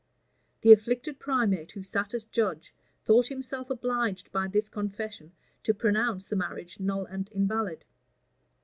[] The afflicted primate, who sat as judge, thought himself obliged by this confession to pronounce the marriage null and invalid.